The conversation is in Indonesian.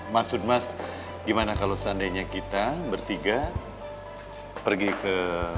maksud mas gimana kalau seandainya kita bertiga pergi ke